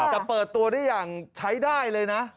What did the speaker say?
แต่เปิดตัวได้อย่างใช้ได้เลยนะ